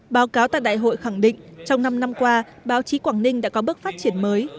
báo cáo tại đại hội khẳng định trong năm năm qua báo chí quảng ninh đã có bước phát triển mới